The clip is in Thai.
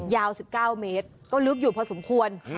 ยาว๑๙เมตรก็ลึกอยู่พอสมควร